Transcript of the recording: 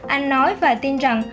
anh nói và tin rằng